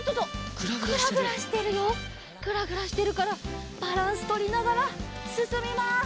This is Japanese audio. グラグラしてるからバランスとりながらすすみます。